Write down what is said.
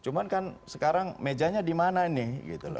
cuman kan sekarang mejanya dimana nih gitu loh